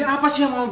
ini juga salah bu